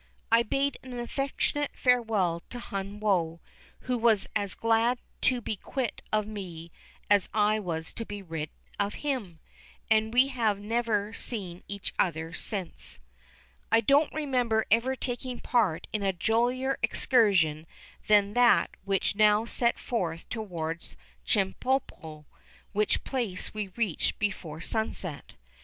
I bade an affectionate farewell to Hun Woe, who was as glad to be quit of me as I was to be rid of him, and we have never seen each other since. I don't remember ever taking part in a jollier excursion than that which now set forth towards Chemulpo, which place we reached before sunset.